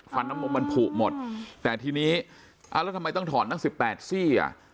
ฟันน้ำมันผูกหมดแต่ทีนี้แล้วทำไมต้องถอนทั้ง๑๘ซี่อ่ะ